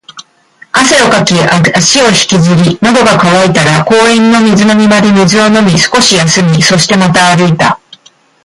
汗をかき、足を引きずり、喉が渇いたら公園の水飲み場で水を飲み、少し休み、そしてまた歩いた